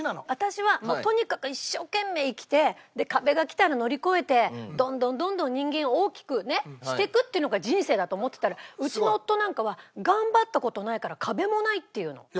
私はとにかく一生懸命生きて壁がきたら乗り越えてどんどんどんどん人間を大きくしていくっていうのが人生だと思ってたらうちの夫なんかは「頑張った事ないから壁もない」って言うの。